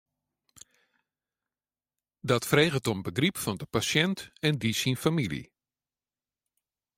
Dat freget om begryp fan de pasjint en dy syn famylje.